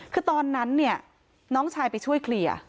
คือตอนนั้นเนี่ยน้องชายไปช่วยเคลียร์